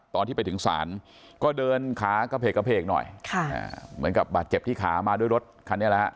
ตอนที่ไปถึงศาลก็เดินขากระเพกกระเพกหน่อยค่ะเหมือนกับบาดเจ็บที่ขามาด้วยรถคันนี้แหละฮะ